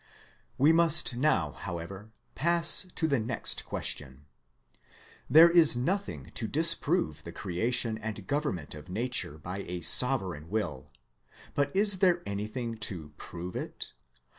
We must now, however, pass to the next question. THEISM 137 There is nothing to disprove the creation and govern ment of Nature by a sovereign will ; but is there anything to prove it?